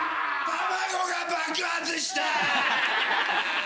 卵が爆発した。